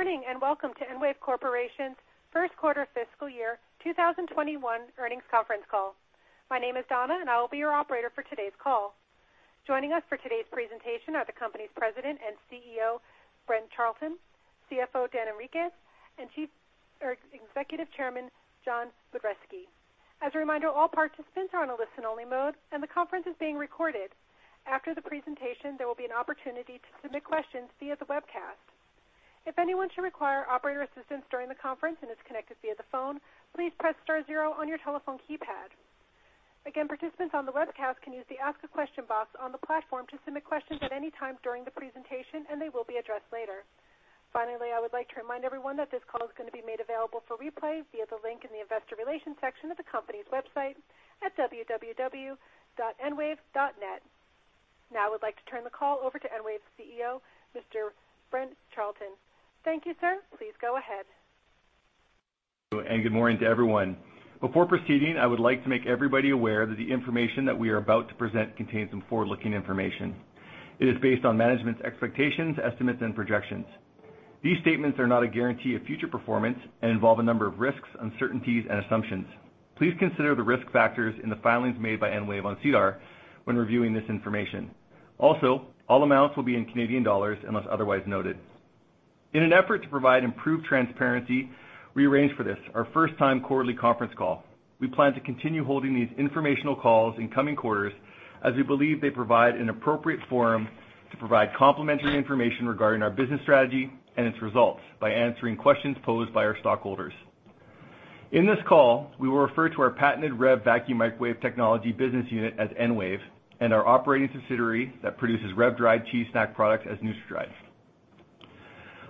Good morning, and welcome to EnWave Corporation's first quarter fiscal year 2021 earnings conference call. My name is Donna, and I will be your operator for today's call. Joining us for today's presentation are the company's President and CEO, Brent Charleton, CFO, Dan Henriques, and Executive Chairman, John Budreski. As a reminder, all participants are on a listen-only mode, and the conference is being recorded. After the presentation, there will be an opportunity to submit questions via the webcast. If anyone should require operator assistance during the conference and is connected via the phone, please press star zero on your telephone keypad. Again, participants on the webcast can use the Ask a Question box on the platform to submit questions at any time during the presentation, and they will be addressed later. Finally, I would like to remind everyone that this call is gonna be made available for replay via the link in the Investor Relations section of the company's website at www.enwave.net. Now, I would like to turn the call over to EnWave's CEO, Mr. Brent Charleton. Thank you, sir. Please go ahead. Good morning to everyone. Before proceeding, I would like to make everybody aware that the information that we are about to present contains some forward-looking information. It is based on management's expectations, estimates, and projections. These statements are not a guarantee of future performance and involve a number of risks, uncertainties, and assumptions. Please consider the risk factors in the filings made by EnWave on SEDAR when reviewing this information. Also, all amounts will be in Canadian dollars unless otherwise noted. In an effort to provide improved transparency, we arranged for this, our first-time quarterly conference call. We plan to continue holding these informational calls in coming quarters, as we believe they provide an appropriate forum to provide complementary information regarding our business strategy and its results by answering questions posed by our stockholders. In this call, we will refer to our patented REV Vacuum Microwave Technology business unit at EnWave, and our operating subsidiary that produces REV-dried cheese snack products as NutraDried.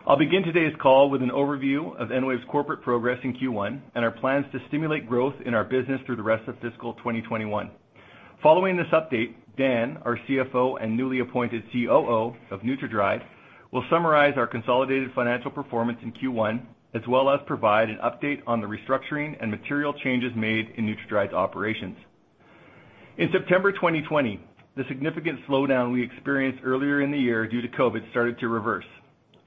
I'll begin today's call with an overview of EnWave's corporate progress in Q1 and our plans to stimulate growth in our business through the rest of fiscal year 2021. Following this update, Dan, our CFO and newly appointed COO of NutraDried, will summarize our consolidated financial performance in Q1, as well as provide an update on the restructuring and material changes made in NutraDried's operations. In September 2020, the significant slowdown we experienced earlier in the year due to COVID started to reverse.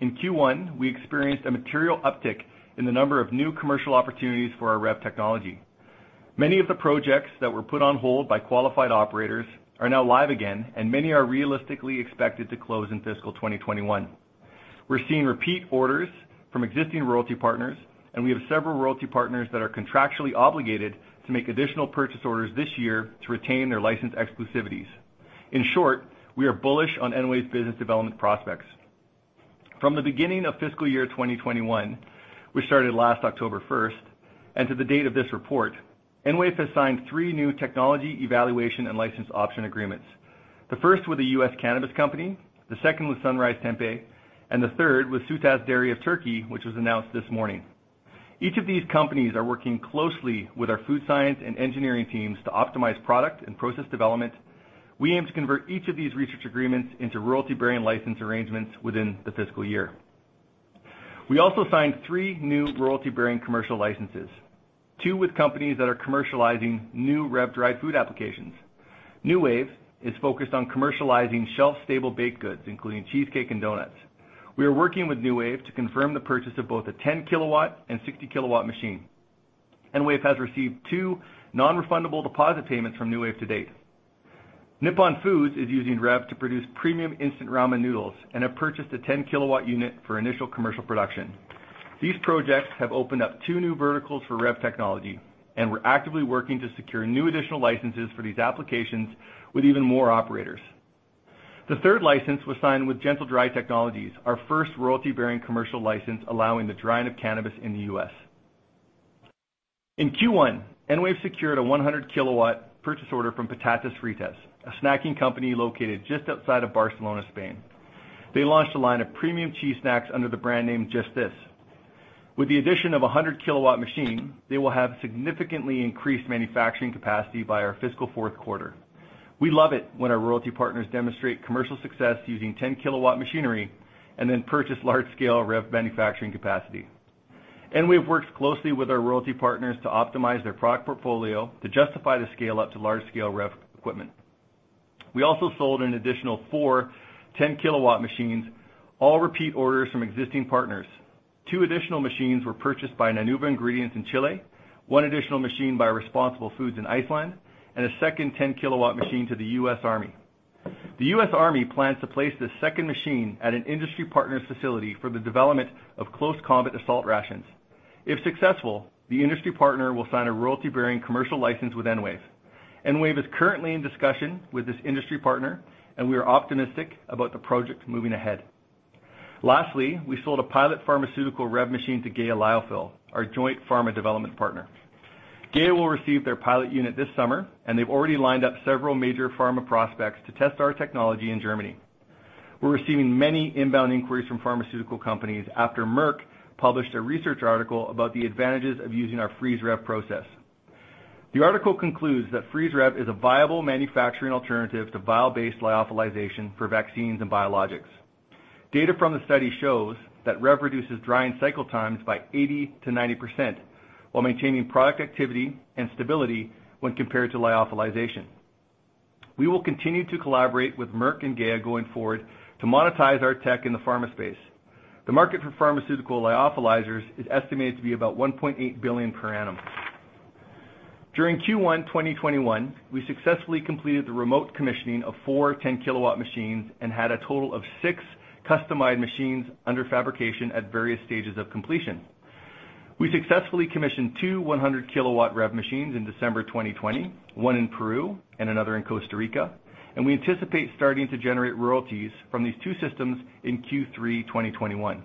In Q1, we experienced a material uptick in the number of new commercial opportunities for our REV technology. Many of the projects that were put on hold by qualified operators are now live again, and many are realistically expected to close in fiscal year 2021. We're seeing repeat orders from existing royalty partners, and we have several royalty partners that are contractually obligated to make additional purchase orders this year to retain their license exclusivities. In short, we are bullish on EnWave's business development prospects. From the beginning of fiscal year 2021, which started last October 1, and to the date of this report, EnWave has signed three new technology evaluation and license option agreements. The first with a U.S. cannabis company, the second with SunRhize tempeh, and the third with Sütaş dairy of Turkey, which was announced this morning. Each of these companies are working closely with our food science and engineering teams to optimize product and process development. We aim to convert each of these research agreements into royalty-bearing license arrangements within the fiscal year. We also signed three new royalty-bearing commercial licenses, two with companies that are commercializing new REV-dried food applications. NuWave is focused on commercializing shelf-stable baked goods, including cheesecake and donuts. We are working with NuWave to confirm the purchase of both a 10-kW and 60-kW machine. EnWave has received two non-refundable deposit payments from NuWave to date. Nippon Trends Food is using REV to produce premium instant ramen noodles and have purchased a 10-kW unit for initial commercial production. These projects have opened up two new verticals for REV technology, and we're actively working to secure new additional licenses for these applications with even more operators. The third license was signed with GentleDry Technologies, our first royalty-bearing commercial license, allowing the drying of cannabis in the U.S. In Q1, EnWave secured a 100-kW purchase order from Patatas Fritas, a snacking company located just outside of Barcelona, Spain. They launched a line of premium cheese snacks under the brand name Just This! With the addition of a 100-kW machine, they will have significantly increased manufacturing capacity by our fiscal fourth quarter. We love it when our royalty partners demonstrate commercial success using 10-kW machinery and then purchase large-scale REV manufacturing capacity. EnWave works closely with our royalty partners to optimize their product portfolio to justify the scale-up to large-scale REV equipment. We also sold an additional four 10-kW machines, all repeat orders from existing partners. Two additional machines were purchased by Nanuva Ingredients in Chile, one additional machine by Responsible Foods in Iceland, and a second 10-kW machine to the U.S. Army. The U.S. Army plans to place this second machine at an industry partner's facility for the development of Close Combat Assault Rations. If successful, the industry partner will sign a royalty-bearing commercial license with EnWave. EnWave is currently in discussion with this industry partner, and we are optimistic about the project moving ahead. Lastly, we sold a pilot pharmaceutical REV machine to GEA Lyophil, our joint pharma development partner. GEA Lyophil will receive their pilot unit this summer, and they've already lined up several major pharma prospects to test our technology in Germany. We're receiving many inbound inquiries from pharmaceutical companies after Merck published a research article about the advantages of using our freezeREV process. The article concludes that freezeREV is a viable manufacturing alternative to vial-based lyophilization for vaccines and biologics. Data from the study shows that REV reduces drying cycle times by 80%-90% while maintaining product activity and stability when compared to lyophilization. We will continue to collaborate with Merck and GEA Lyophil going forward to monetize our tech in the pharma space. The market for pharmaceutical lyophilizers is estimated to be about $1.8 billion per annum. During Q1 2021, we successfully completed the remote commissioning of four 10-kW machines and had a total of six customized machines under fabrication at various stages of completion. We successfully commissioned two 100-kW REV machines in December 2020, one in Peru and another in Costa Rica, and we anticipate starting to generate royalties from these two systems in Q3 2021.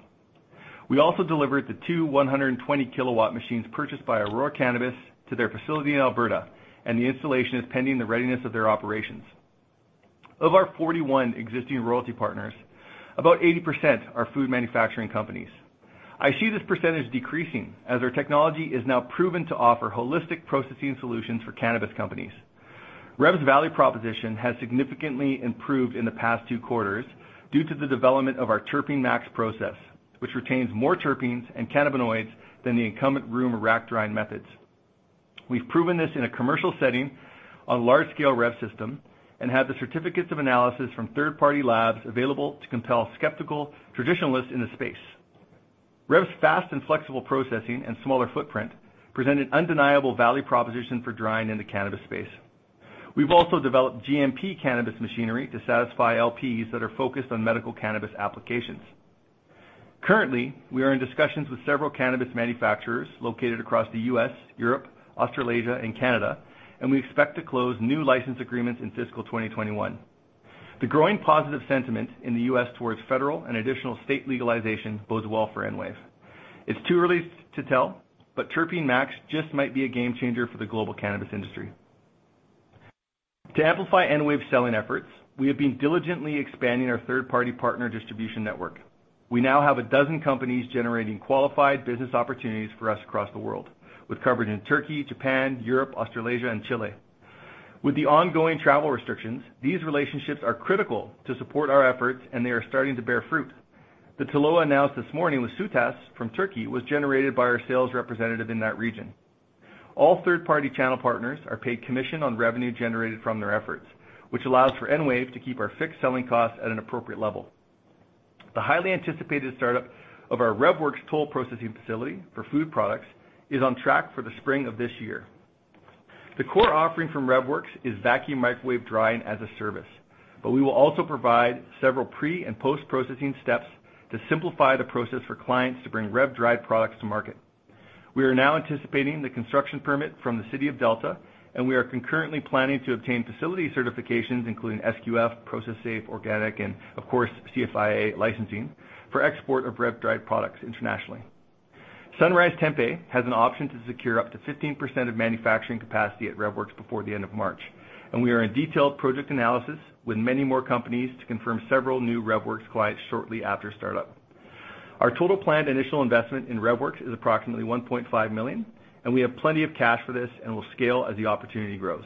We also delivered the two 120-kW machines purchased by Aurora Cannabis to their facility in Alberta, and the installation is pending the readiness of their operations. Of our 41 existing royalty partners, about 80% are food manufacturing companies. I see this percentage decreasing as our technology is now proven to offer holistic processing solutions for cannabis companies. REV's value proposition has significantly improved in the past two quarters due to the development of our Terpene Max process, which retains more terpenes and cannabinoids than the incumbent room or rack drying methods. We've proven this in a commercial setting on a large-scale REV system and have the certificates of analysis from third-party labs available to compel skeptical traditionalists in the space. REV's fast and flexible processing and smaller footprint present an undeniable value proposition for drying in the cannabis space. We've also developed GMP cannabis machinery to satisfy LPs that are focused on medical cannabis applications. Currently, we are in discussions with several cannabis manufacturers located across the U.S., Europe, Australasia, and Canada, and we expect to close new license agreements in fiscal year 2021. The growing positive sentiment in the U.S. towards federal and additional state legalization bodes well for EnWave. It's too early to tell, but Terpene Max just might be a game-changer for the global cannabis industry. To amplify EnWave selling efforts, we have been diligently expanding our third-party partner distribution network. We now have a dozen companies generating qualified business opportunities for us across the world, with coverage in Turkey, Japan, Europe, Australasia, and Chile. With the ongoing travel restrictions, these relationships are critical to support our efforts, and they are starting to bear fruit. The TELOA announced this morning with Sütaş from Turkey was generated by our sales representative in that region. All third-party channel partners are paid commission on revenue generated from their efforts, which allows for EnWave to keep our fixed selling costs at an appropriate level. The highly anticipated startup of our REVworx toll processing facility for food products is on track for the spring of this year. The core offering from REVworx is vacuum microwave drying as a service, but we will also provide several pre- and post-processing steps to simplify the process for clients to bring REV-dried products to market. We are now anticipating the construction permit from the city of Delta, and we are concurrently planning to obtain facility certifications, including SQF, Process Safety, Organic, and, of course, CFIA licensing for export of REV-dried products internationally. SunRhize tempeh has an option to secure up to 15% of manufacturing capacity at REVworx before the end of March, and we are in detailed project analysis with many more companies to confirm several new REVworx clients shortly after startup. Our total planned initial investment in REVworx is approximately 1.5 million, and we have plenty of cash for this and will scale as the opportunity grows.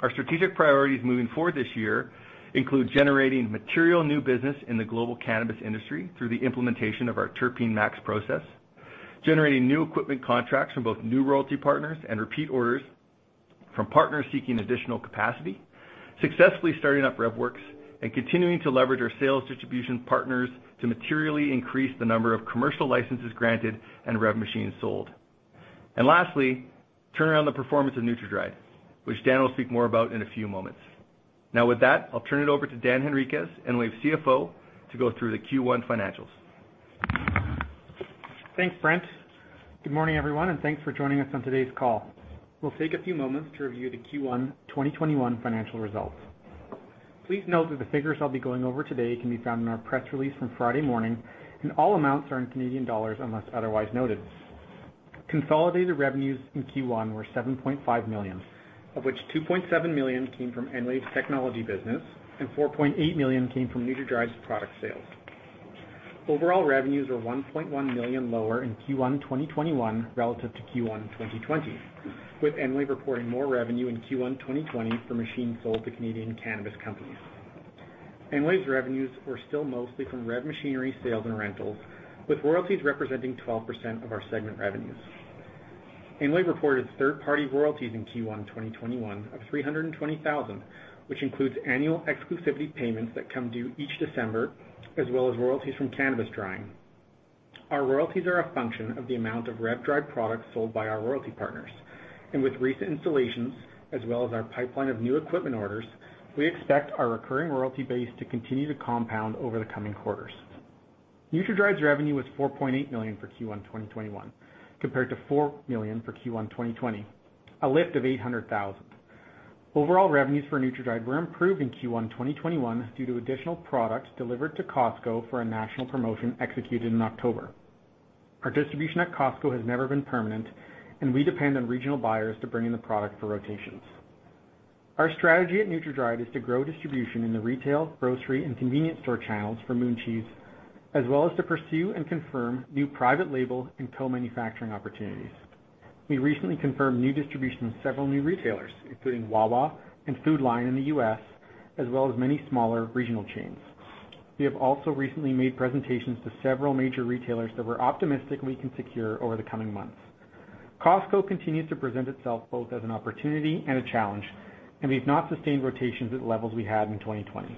Our strategic priorities moving forward this year include generating material new business in the global cannabis industry through the implementation of our Terpene Max process, generating new equipment contracts from both new royalty partners and repeat orders from partners seeking additional capacity, successfully starting up REVworx, and continuing to leverage our sales distribution partners to materially increase the number of commercial licenses granted and REV machines sold. Lastly, turn around the performance of NutraDried, which Dan will speak more about in a few moments. Now, with that, I'll turn it over to Dan Henriques, EnWave's CFO, to go through the Q1 financials. Thanks, Brent. Good morning, everyone, and thanks for joining us on today's call. We'll take a few moments to review the Q1 2021 financial results. Please note that the figures I'll be going over today can be found in our press release from Friday morning, and all amounts are in Canadian dollars, unless otherwise noted. Consolidated revenues in Q1 were CAD 7.5 million, of which CAD 2.7 million came from EnWave's technology business and CAD 4.8 million came from NutraDried's product sales. Overall, revenues are CAD 1.1 million lower in Q1 2021 relative to Q1 2020, with EnWave reporting more revenue in Q1 2020 for machines sold to Canadian cannabis companies. EnWave's revenues were still mostly from REV machinery sales and rentals, with royalties representing 12% of our segment revenues. EnWave reported third-party royalties in Q1 2021 of 320,000, which includes annual exclusivity payments that come due each December, as well as royalties from cannabis drying. Our royalties are a function of the amount of REV-dried products sold by our royalty partners, and with recent installations, as well as our pipeline of new equipment orders, we expect our recurring royalty base to continue to compound over the coming quarters. NutraDried's revenue was 4.8 million for Q1 2021, compared to 4 million for Q1 2020, a lift of 800,000. Overall revenues for NutraDried were improved in Q1 2021 due to additional products delivered to Costco for a national promotion executed in October. Our distribution at Costco has never been permanent, and we depend on regional buyers to bring in the product for rotations. Our strategy at NutraDried is to grow distribution in the retail, grocery, and convenience store channels for Moon Cheese, as well as to pursue and confirm new private label and co-manufacturing opportunities. We recently confirmed new distribution with several new retailers, including Wawa and Food Lion in the U.S., as well as many smaller regional chains. We have also recently made presentations to several major retailers that we're optimistic we can secure over the coming months. Costco continues to present itself both as an opportunity and a challenge, and we've not sustained rotations at the levels we had in 2020.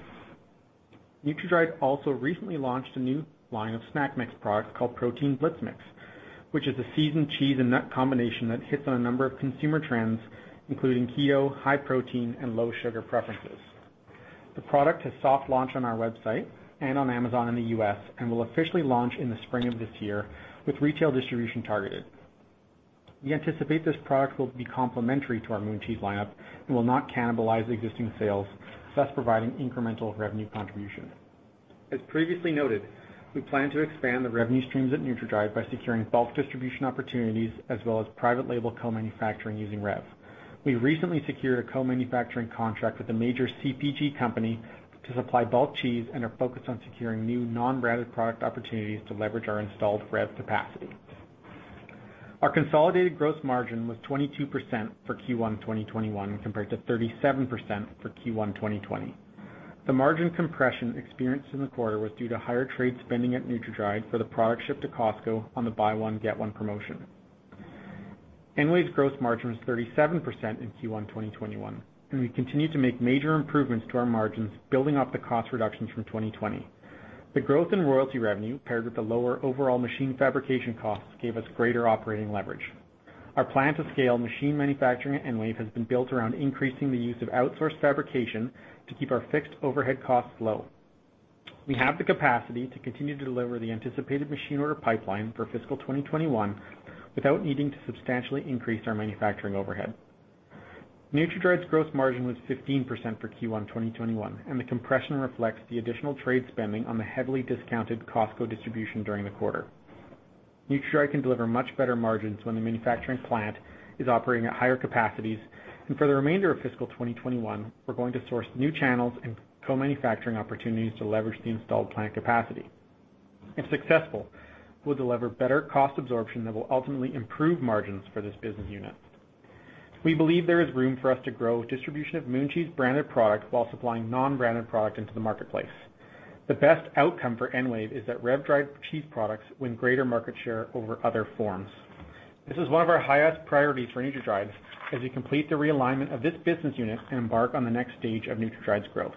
NutraDried also recently launched a new line of snack mix product called Protein Blitz Mix, which is a seasoned cheese and nut combination that hits on a number of consumer trends, including keto, high protein, and low sugar preferences. The product has soft launched on our website and on Amazon in the U.S., and will officially launch in the spring of this year with retail distribution targeted. We anticipate this product will be complementary to our Moon Cheese lineup and will not cannibalize existing sales, thus providing incremental revenue contribution. As previously noted, we plan to expand the revenue streams at NutraDried by securing bulk distribution opportunities as well as private label co-manufacturing using REV. We recently secured a co-manufacturing contract with a major CPG company to supply bulk cheese and are focused on securing new non-branded product opportunities to leverage our installed REV capacity. Our consolidated gross margin was 22% for Q1 2021, compared to 37% for Q1 2020. The margin compression experienced in the quarter was due to higher trade spending at NutraDried for the product shipped to Costco on the buy-one, get-one promotion. EnWave's gross margin was 37% in Q1 2021, and we continued to make major improvements to our margins, building off the cost reductions from 2020. The growth in royalty revenue, paired with the lower overall machine fabrication costs, gave us greater operating leverage. Our plan to scale machine manufacturing at EnWave has been built around increasing the use of outsourced fabrication to keep our fixed overhead costs low. We have the capacity to continue to deliver the anticipated machine order pipeline for fiscal year 2021, without needing to substantially increase our manufacturing overhead. NutraDried's gross margin was 15% for Q1 2021, and the compression reflects the additional trade spending on the heavily discounted Costco distribution during the quarter. NutraDried can deliver much better margins when the manufacturing plant is operating at higher capacities, and for the remainder of fiscal year 2021, we're going to source new channels and co-manufacturing opportunities to leverage the installed plant capacity. If successful, we'll deliver better cost absorption that will ultimately improve margins for this business unit. We believe there is room for us to grow distribution of Moon Cheese branded product while supplying non-branded product into the marketplace. The best outcome for EnWave is that REV-dried cheese products win greater market share over other forms. This is one of our highest priorities for NutraDried's as we complete the realignment of this business unit and embark on the next stage of NutraDried's growth.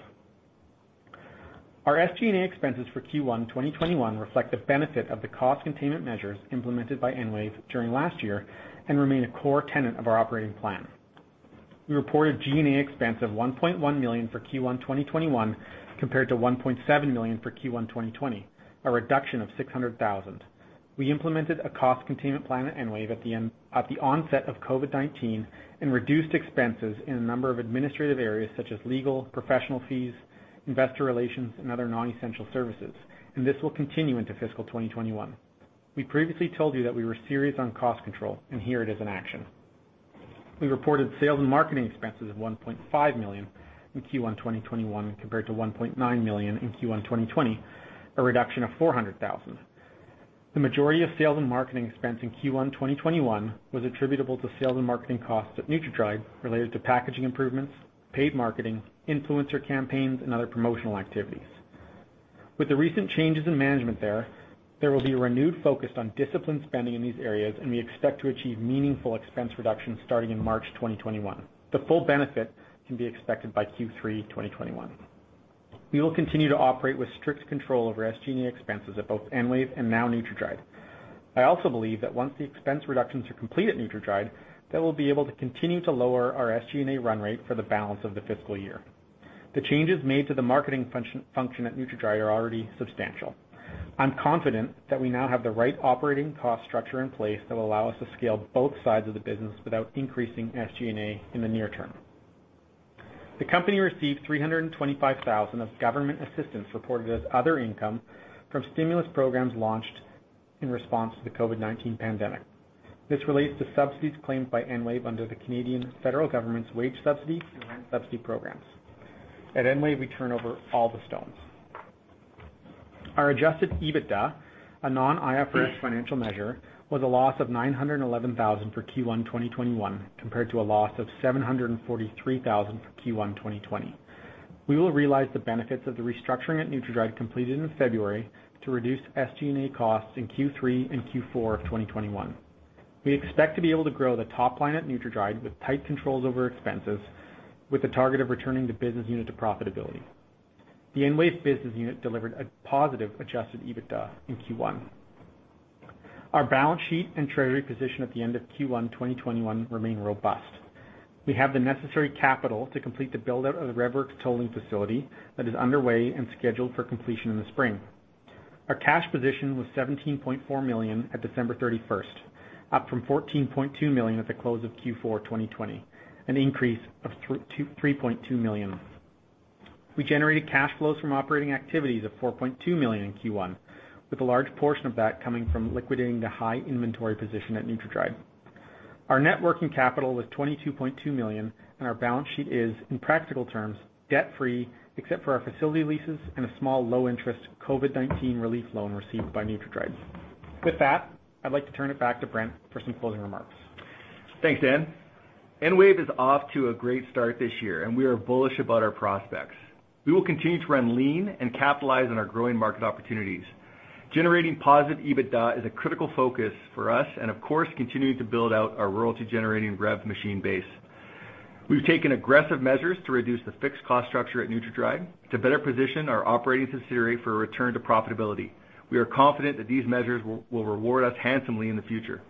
Our SG&A expenses for Q1 2021 reflect the benefit of the cost containment measures implemented by EnWave during last year and remain a core tenet of our operating plan. We reported G&A expense of 1.1 million for Q1 2021, compared to 1.7 million for Q1 2020, a reduction of 600,000. We implemented a cost containment plan at EnWave at the onset of COVID-19, and reduced expenses in a number of administrative areas such as legal, professional fees, investor relations, and other non-essential services, and this will continue into fiscal year 2021. We previously told you that we were serious on cost control, and here it is in action. We reported sales and marketing expenses of 1.5 million in Q1 2021, compared to 1.9 million in Q1 2020, a reduction of 400,000. The majority of sales and marketing expense in Q1 2021 was attributable to sales and marketing costs at NutraDried related to packaging improvements, paid marketing, influencer campaigns, and other promotional activities. With the recent changes in management there, there will be a renewed focus on disciplined spending in these areas, and we expect to achieve meaningful expense reductions starting in March 2021. The full benefit can be expected by Q3 2021. We will continue to operate with strict control over SG&A expenses at both EnWave and now NutraDried. I also believe that once the expense reductions are complete at NutraDried, that we'll be able to continue to lower our SG&A run rate for the balance of the fiscal year. The changes made to the marketing function at NutraDried are already substantial. I'm confident that we now have the right operating cost structure in place that will allow us to scale both sides of the business without increasing SG&A in the near term. The company received 325,000 of government assistance, reported as other income, from stimulus programs launched in response to the COVID-19 pandemic. This relates to subsidies claimed by EnWave under the Canadian federal government's wage subsidy and rent subsidy programs. At EnWave, we turn over all the stones. Our adjusted EBITDA, a non-IFRS financial measure, was a loss of 911,000 for Q1 2021, compared to a loss of 743,000 for Q1 2020. We will realize the benefits of the restructuring at NutraDried, completed in February, to reduce SG&A costs in Q3 and Q4 of 2021. We expect to be able to grow the top line at NutraDried with tight controls over expenses, with the target of returning the business unit to profitability. The EnWave business unit delivered a positive adjusted EBITDA in Q1. Our balance sheet and treasury position at the end of Q1 2021 remain robust. We have the necessary capital to complete the build-out of the REVworx tolling facility that is underway and scheduled for completion in the spring. Our cash position was CAD 17.4 million at December 31, up from CAD 14.2 million at the close of Q4 2020, an increase of CAD 3.2 million. We generated cash flows from operating activities of CAD 4.2 million in Q1, with a large portion of that coming from liquidating the high inventory position at NutraDried. Our net working capital was 22.2 million, and our balance sheet is, in practical terms, debt-free, except for our facility leases and a small, low-interest COVID-19 relief loan received by NutraDried. With that, I'd like to turn it back to Brent for some closing remarks. Thanks, Dan.... EnWave is off to a great start this year, and we are bullish about our prospects. We will continue to run lean and capitalize on our growing market opportunities. Generating positive EBITDA is a critical focus for us, and of course, continuing to build out our royalty-generating REV machine base. We've taken aggressive measures to reduce the fixed cost structure at NutraDried to better position our operating subsidiary for a return to profitability. We are confident that these measures will reward us handsomely in the future.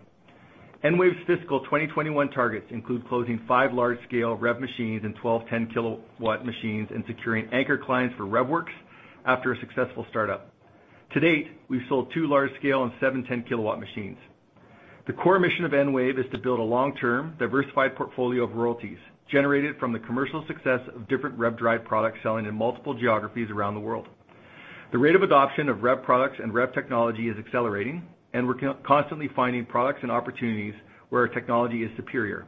EnWave's fiscal year 2021 targets include closing five large-scale REV machines and 12 10-kW machines and securing anchor clients for REVworx after a successful startup. To date, we've sold two large-scale and seven 10-kW machines. The core mission of EnWave is to build a long-term, diversified portfolio of royalties generated from the commercial success of different REV-dried products selling in multiple geographies around the world. The rate of adoption of REV products and REV technology is accelerating, and we're constantly finding products and opportunities where our technology is superior.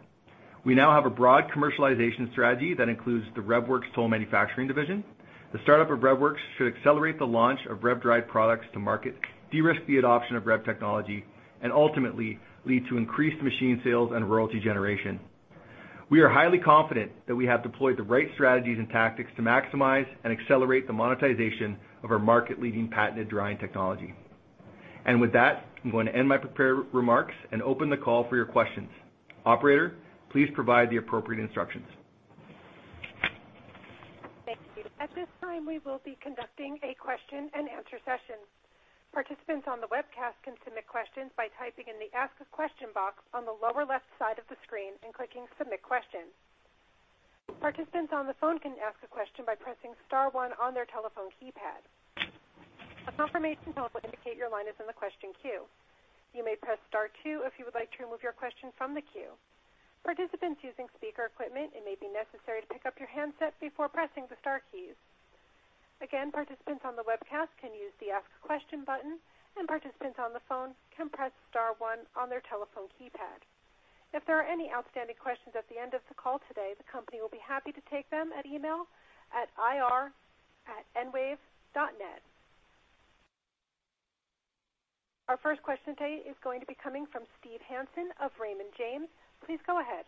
We now have a broad commercialization strategy that includes the REVworx toll manufacturing division. The startup of REVworx should accelerate the launch of REV-dried products to market, de-risk the adoption of REV technology, and ultimately lead to increased machine sales and royalty generation. We are highly confident that we have deployed the right strategies and tactics to maximize and accelerate the monetization of our market-leading patented drying technology. And with that, I'm going to end my prepared remarks and open the call for your questions. Operator, please provide the appropriate instructions. Thank you. At this time, we will be conducting a question-and-answer session. Participants on the webcast can submit questions by typing in the Ask a Question box on the lower left side of the screen and clicking Submit Question. Participants on the phone can ask a question by pressing star one on their telephone keypad. A confirmation tone will indicate your line is in the question queue. You may press star two if you would like to remove your question from the queue. Participants using speaker equipment, it may be necessary to pick up your handset before pressing the star keys. Again, participants on the webcast can use the Ask a Question button, and participants on the phone can press star one on their telephone keypad. If there are any outstanding questions at the end of the call today, the company will be happy to take them at email at ir@enwave.net. Our first question today is going to be coming from Steve Hansen of Raymond James. Please go ahead.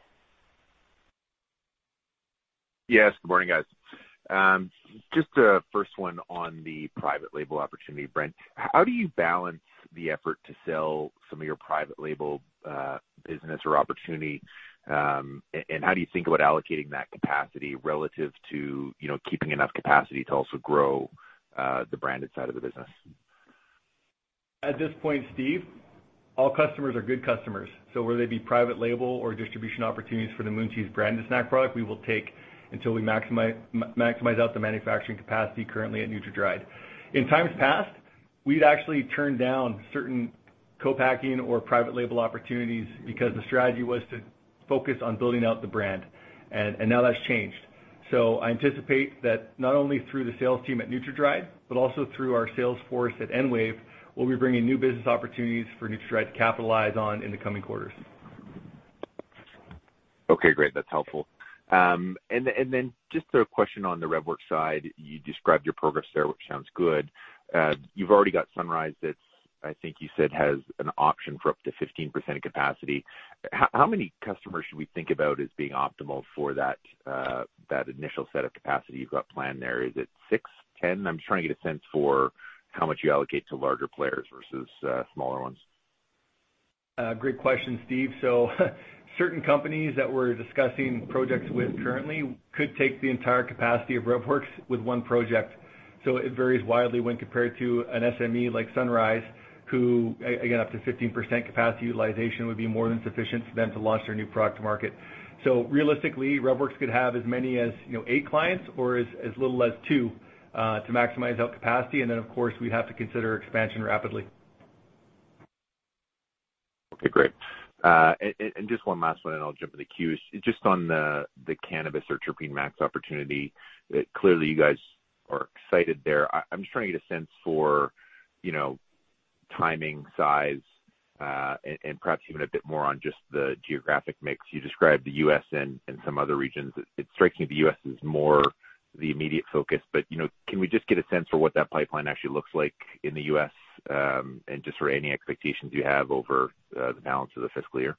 Yes, good morning, guys. Just a first one on the private label opportunity, Brent. How do you balance the effort to sell some of your private label business or opportunity, and how do you think about allocating that capacity relative to, you know, keeping enough capacity to also grow the branded side of the business? At this point, Steve, all customers are good customers, so whether they be private label or distribution opportunities for the Moon Cheese branded snack product, we will take until we maximize out the manufacturing capacity currently at NutraDried. In times past, we've actually turned down certain co-packing or private label opportunities because the strategy was to focus on building out the brand, and now that's changed. So I anticipate that not only through the sales team at NutraDried, but also through our sales force at EnWave, we'll be bringing new business opportunities for NutraDried to capitalize on in the coming quarters. Okay, great. That's helpful. And, and then just a question on the REVworx side. You described your progress there, which sounds good. You've already got SunRhize that, I think you said, has an option for up to 15% of capacity. How many customers should we think about as being optimal for that, that initial set of capacity you've got planned there? Is it 6%, 10%? I'm just trying to get a sense for how much you allocate to larger players versus, smaller ones. Great question, Steve. So certain companies that we're discussing projects with currently could take the entire capacity of REVworx with one project, so it varies widely when compared to an SME like SunRhize, who, again, up to 15% capacity utilization would be more than sufficient for them to launch their new product to market. So realistically, REVworx could have as many as, you know, eight clients or as little as two to maximize out capacity. And then, of course, we'd have to consider expansion rapidly. Okay, great. And just one last one, and I'll jump in the queue. Just on the cannabis or Terpene Max opportunity, clearly you guys are excited there. I'm just trying to get a sense for, you know, timing, size, and perhaps even a bit more on just the geographic mix. You described the U.S. and some other regions. It strikes me the U.S. is more the immediate focus, but, you know, can we just get a sense for what that pipeline actually looks like in the U.S., and just for any expectations you have over the balance of the fiscal year?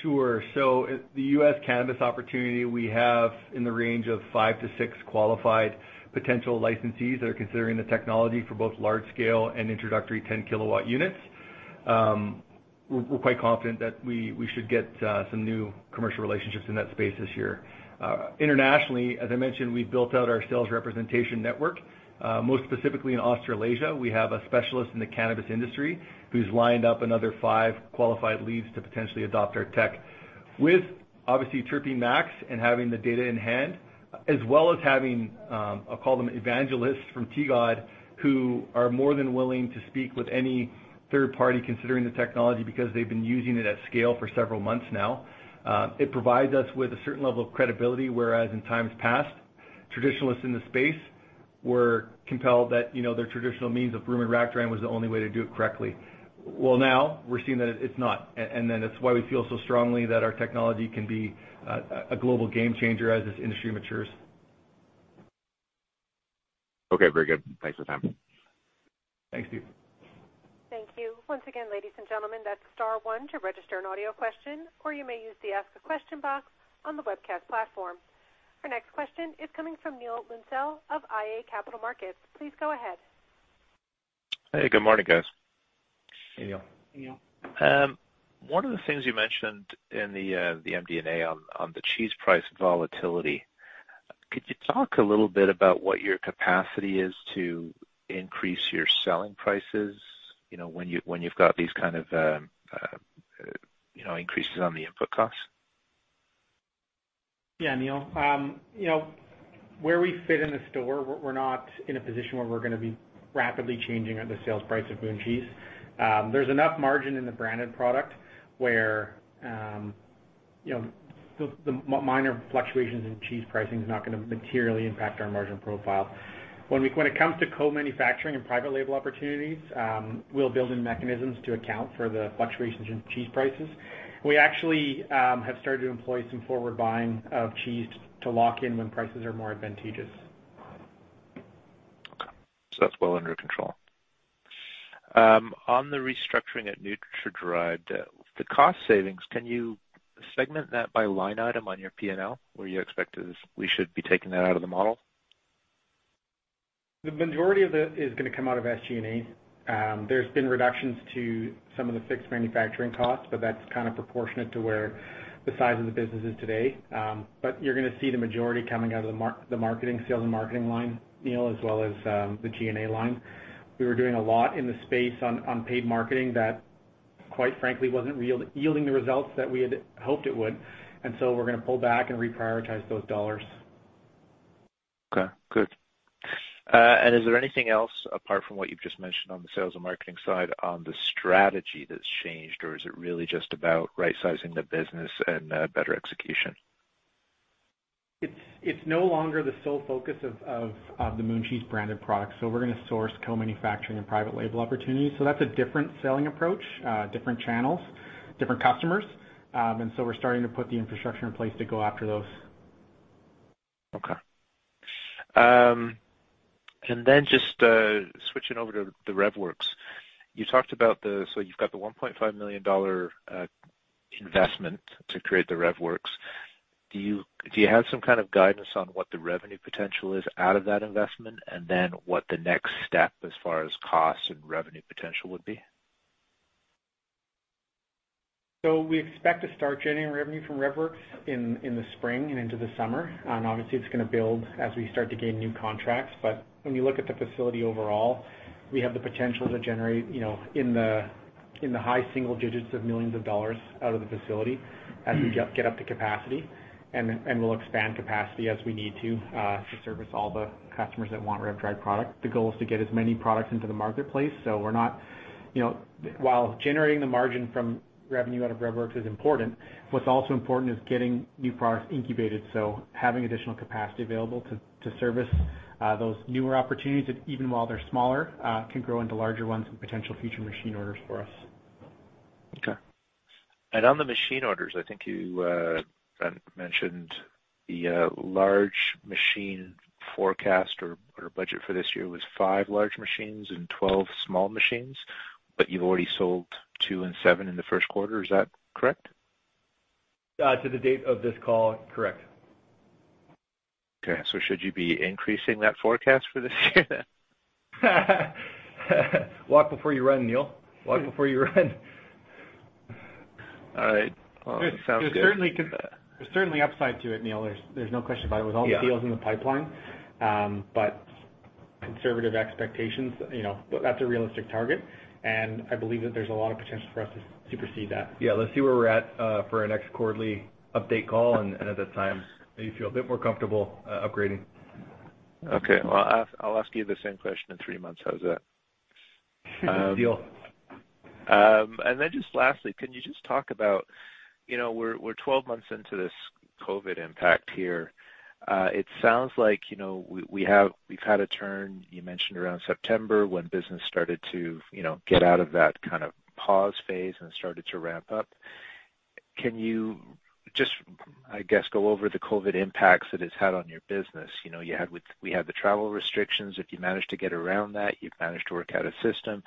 Sure. So at the U.S. cannabis opportunity, we have in the range of five to six qualified potential licensees that are considering the technology for both large scale and introductory 10-kW units. We're quite confident that we should get some new commercial relationships in that space this year. Internationally, as I mentioned, we've built out our sales representation network, most specifically in Australasia. We have a specialist in the cannabis industry who's lined up another five qualified leads to potentially adopt our tech. With, obviously, Terpene Max and having the data in hand, as well as having, I'll call them evangelists from TGOD, who are more than willing to speak with any third party considering the technology because they've been using it at scale for several months now, it provides us with a certain level of credibility, whereas in times past, traditionalists in the space were compelled that, you know, their traditional means of room and rack drying was the only way to do it correctly. Well, now we're seeing that it's not, and, and then that's why we feel so strongly that our technology can be a, a global game changer as this industry matures. Okay, very good. Thanks for the time. Thanks, Steve. Thank you. Once again, ladies and gentlemen, that's star one to register an audio question, or you may use the Ask a Question box on the webcast platform. Our next question is coming from Neil Linsdell of iA Capital Markets. Please go ahead. Hey, good morning, guys. Hey, Neil. Hey, Neil. One of the things you mentioned in the MD&A on the cheese price volatility, could you talk a little bit about what your capacity is to increase your selling prices, you know, when you've got these kind of increases on the input costs? Yeah, Neil. You know, where we fit in the store, we're, we're not in a position where we're gonna be rapidly changing the sales price of Moon Cheese. There's enough margin in the branded product where, you know, the minor fluctuations in cheese pricing is not gonna materially impact our margin profile. When it comes to co-manufacturing and private label opportunities, we'll build in mechanisms to account for the fluctuations in cheese prices. We actually have started to employ some forward buying of cheese to lock in when prices are more advantageous. Okay, so that's well under control. On the restructuring at NutraDried, the cost savings, can you segment that by line item on your P&L, where you expect us... We should be taking that out of the model? The majority of it is gonna come out of SG&A. There's been reductions to some of the fixed manufacturing costs, but that's kind of proportionate to where the size of the business is today. But you're gonna see the majority coming out of the marketing, sales, and marketing line, Neil, as well as the G&A line. We were doing a lot in the space on paid marketing that, quite frankly, wasn't yielding the results that we had hoped it would, and so we're gonna pull back and reprioritize those dollars. Okay, good. Is there anything else, apart from what you've just mentioned on the sales and marketing side, on the strategy that's changed, or is it really just about right-sizing the business and better execution? It's no longer the sole focus of the Moon Cheese branded product, so we're gonna source co-manufacturing and private label opportunities. So that's a different selling approach, different channels, different customers. And so we're starting to put the infrastructure in place to go after those. Okay. And then just switching over to the REVworx. You talked about the. So you've got the 1.5 million dollar investment to create the REVworx. Do you have some kind of guidance on what the revenue potential is out of that investment, and then what the next step as far as costs and revenue potential would be? So we expect to start generating revenue from REVworx in the spring and into the summer, and obviously, it's gonna build as we start to gain new contracts. But when you look at the facility overall, we have the potential to generate, you know, in the high single-digits of millions of CAD out of the facility as we get up to capacity, and we'll expand capacity as we need to service all the customers that want REV-dried product. The goal is to get as many products into the marketplace, so we're not... You know, while generating the margin from revenue out of REVworx is important, what's also important is getting new products incubated, so having additional capacity available to service those newer opportunities that even while they're smaller can grow into larger ones and potential future machine orders for us. Okay. And on the machine orders, I think you mentioned the large machine forecast or budget for this year was five large machines and 12 small machines, but you've already sold two and seven in the first quarter. Is that correct? To the date of this call, correct. Okay, so should you be increasing that forecast for this year then? Walk before you run, Neil. Walk before you run. All right. Well, sounds good. There's certainly upside to it, Neil. There's no question about it. Yeah.... With all the deals in the pipeline, but conservative expectations, you know, that's a realistic target, and I believe that there's a lot of potential for us to supersede that. Yeah. Let's see where we're at for our next quarterly update call, and at that time, maybe feel a bit more comfortable upgrading. Okay. Well, I'll, I'll ask you the same question in three months. How's that? Deal. And then just lastly, can you just talk about... You know, we're, we're 12 months into this COVID impact here. It sounds like, you know, we, we have- we've had a turn, you mentioned, around September, when business started to, you know, get out of that kind of pause phase and started to ramp up. Can you just, I guess, go over the COVID impacts that it's had on your business? You know, you had with- we had the travel restrictions. If you managed to get around that, you've managed to work out a system.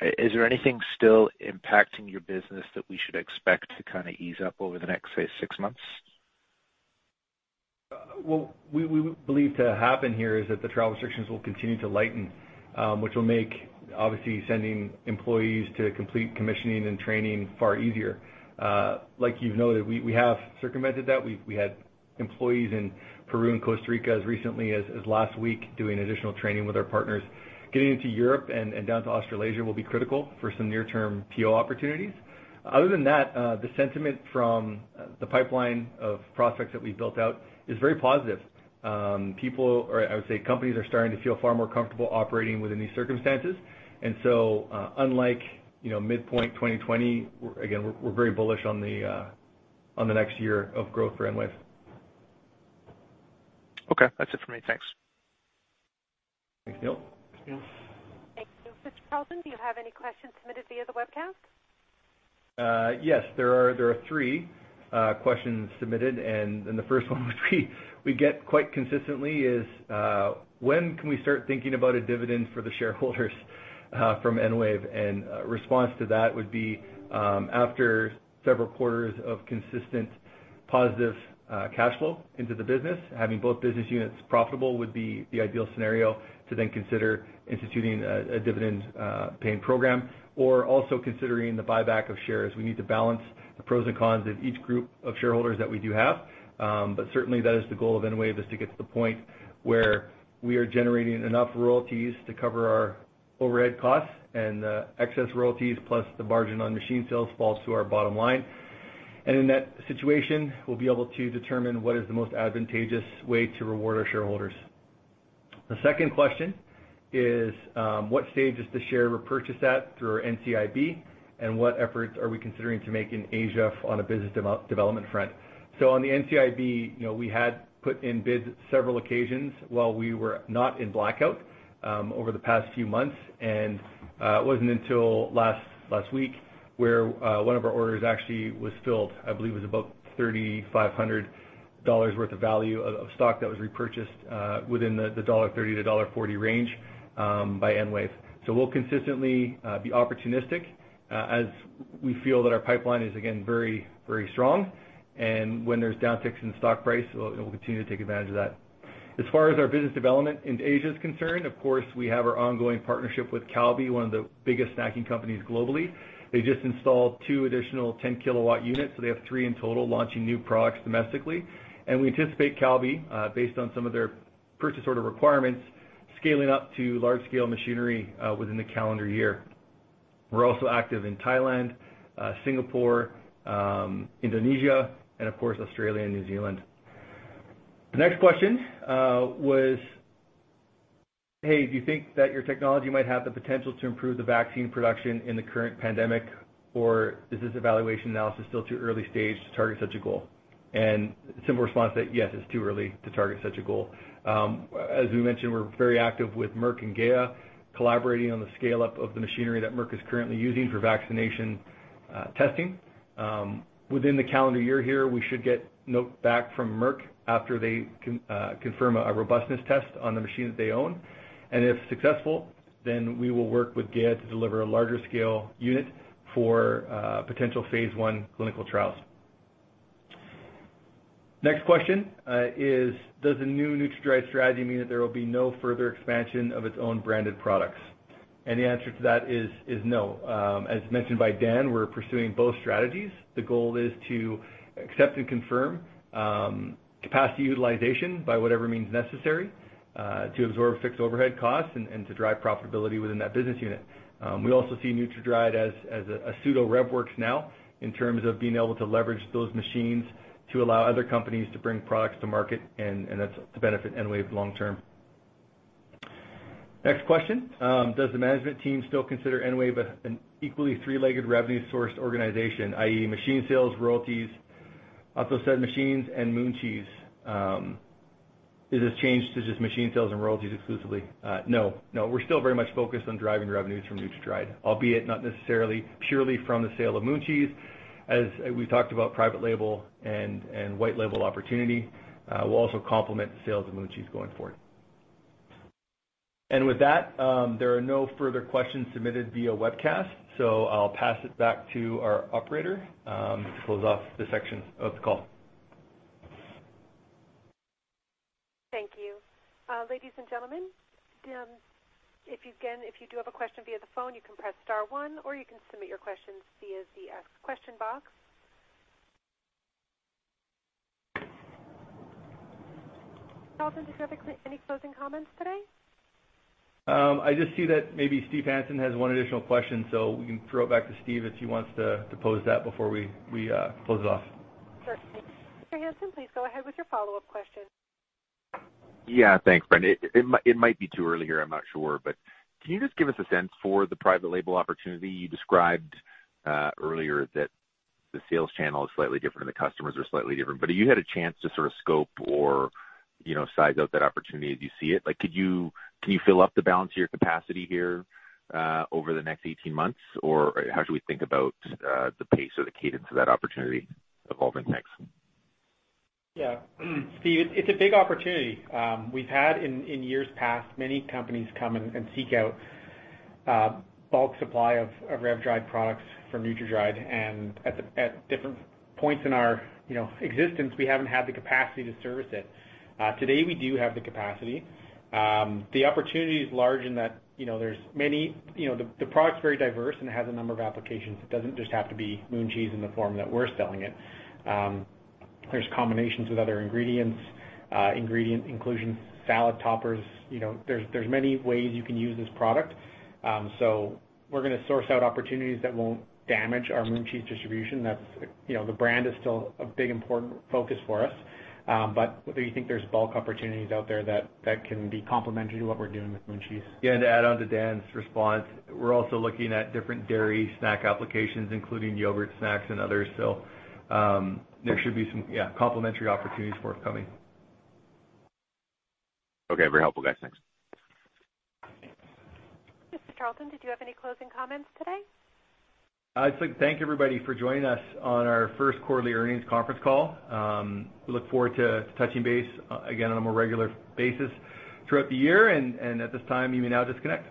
Is there anything still impacting your business that we should expect to kind of ease up over the next, say, six months? Well, we believe to happen here is that the travel restrictions will continue to lighten, which will make, obviously, sending employees to complete commissioning and training far easier. Like you've noted, we have circumvented that. We've had employees in Peru and Costa Rica as recently as last week, doing additional training with our partners. Getting into Europe and down to Australasia will be critical for some near-term PO opportunities. Other than that, the sentiment from the pipeline of prospects that we've built out is very positive. People, or I would say, companies, are starting to feel far more comfortable operating within these circumstances. And so, unlike, you know, midpoint 2020, we're again very bullish on the next year of growth for EnWave. Okay. That's it for me. Thanks. Thanks, Neil. Thanks, Neil. Thank you. Mr. Charleton, do you have any questions submitted via the webcast?... Yes, there are three questions submitted, and the first one, which we get quite consistently is, when can we start thinking about a dividend for the shareholders, from EnWave? Response to that would be, after several quarters of consistent positive cash flow into the business, having both business units profitable would be the ideal scenario to then consider instituting a dividend paying program, or also considering the buyback of shares. We need to balance the pros and cons of each group of shareholders that we do have. But certainly, that is the goal of EnWave, is to get to the point where we are generating enough royalties to cover our overhead costs and excess royalties, plus the margin on machine sales falls to our bottom line. In that situation, we'll be able to determine what is the most advantageous way to reward our shareholders. The second question is, what stage is the share repurchase at through our NCIB, and what efforts are we considering to make in Asia on a business development front? So on the NCIB, you know, we had put in bids several occasions while we were not in blackout, over the past few months. And it wasn't until last week, where one of our orders actually was filled. I believe it was about 3,500 dollars worth of value of stock that was repurchased, within the 1.30-1.40 dollar range, by EnWave. So we'll consistently be opportunistic, as we feel that our pipeline is, again, very, very strong. When there's downticks in stock price, we'll, we'll continue to take advantage of that. As far as our business development in Asia is concerned, of course, we have our ongoing partnership with Calbee, one of the biggest snacking companies globally. They just installed two additional 10-kW units, so they have three in total, launching new products domestically. And we anticipate Calbee, based on some of their purchase order requirements, scaling up to large-scale machinery, within the calendar year. We're also active in Thailand, Singapore, Indonesia, and of course, Australia and New Zealand. The next question was, do you think that your technology might have the potential to improve the vaccine production in the current pandemic, or is this evaluation analysis still too early stage to target such a goal? And similar response that, yes, it's too early to target such a goal. As we mentioned, we're very active with Merck and GEA Lyophil, collaborating on the scale-up of the machinery that Merck is currently using for vaccination testing. Within the calendar year here, we should get note back from Merck after they confirm a robustness test on the machines they own. And if successful, then we will work with GEA Lyophil to deliver a larger scale unit for potential phase I clinical trials. Next question is: Does the new NutraDried strategy mean that there will be no further expansion of its own branded products? And the answer to that is no. As mentioned by Dan, we're pursuing both strategies. The goal is to accept and confirm capacity utilization by whatever means necessary to absorb fixed overhead costs and to drive profitability within that business unit. We also see NutraDried as a pseudo REVworx now, in terms of being able to leverage those machines to allow other companies to bring products to market, and that's to benefit EnWave long term. Next question: Does the management team still consider EnWave an equally three-legged revenue source organization, i.e., machine sales, royalties, also said machines and Moon Cheese? Is this changed to just machine sales and royalties exclusively? No. No, we're still very much focused on driving revenues from NutraDried, albeit not necessarily purely from the sale of Moon Cheese. As we talked about private label and white label opportunity, we'll also complement the sales of Moon Cheese going forward. And with that, there are no further questions submitted via webcast, so I'll pass it back to our operator to close off this section of the call. Thank you. Ladies and gentlemen, again, if you do have a question via the phone, you can press star one, or you can submit your questions via the Ask a Question box. Mr. Charleton, do you have any closing comments today? I just see that maybe Steve Hansen has one additional question, so we can throw it back to Steve if he wants to pose that before we close it off. Sure. Mr. Hansen, please go ahead with your follow-up question. Yeah. Thanks, Brent. It might be too early here, I'm not sure, but can you just give us a sense for the private label opportunity you described earlier, that the sales channel is slightly different and the customers are slightly different. But have you had a chance to sort of scope or, you know, size out that opportunity as you see it? Like, could you—can you fill up the balance of your capacity here over the next 18 months? Or how should we think about the pace or the cadence of that opportunity evolving next? Yeah. Steve, it's a big opportunity. We've had in years past, many companies come and seek out bulk supply of REV-dried products from NutraDried, and at different points in our, you know, existence, we haven't had the capacity to service it. Today, we do have the capacity. The opportunity is large in that, you know, there's many. You know, the product's very diverse and has a number of applications. It doesn't just have to be Moon Cheese in the form that we're selling it. There's combinations with other ingredients, ingredient inclusion, salad toppers, you know, there's many ways you can use this product. So we're gonna source out opportunities that won't damage our Moon Cheese distribution. That's, you know, the brand is still a big important focus for us. But we do think there's bulk opportunities out there that can be complementary to what we're doing with Moon Cheese. Yeah, to add on to Dan's response, we're also looking at different dairy snack applications, including yogurt, snacks and others. So, there should be some complementary opportunities forthcoming. Okay. Very helpful, guys. Thanks. Mr. Charleton, did you have any closing comments today? I'd just like to thank everybody for joining us on our first quarterly earnings conference call. We look forward to touching base again on a more regular basis throughout the year. And at this time, you may now disconnect.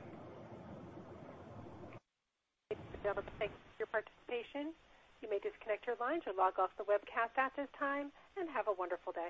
Thanks for your participation. You may disconnect your lines or log off the webcast at this time, and have a wonderful day.